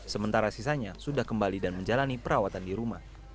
sementara sisanya sudah kembali dan menjalani perawatan di rumah